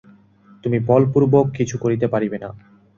তুমি বলপূর্বক কিছু করিতে পারিবে না।